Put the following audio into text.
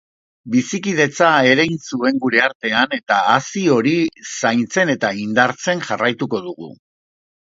Bizikidetza erein zuen gure artean eta hazi hori zaintzen eta indartzen jarraituko dugu.